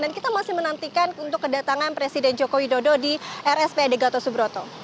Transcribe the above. dan kita masih menantikan untuk kedatangan presiden joko widodo di rspad gatot subroto